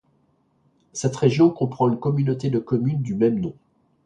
Cette région comprend une communauté de communes du même nom.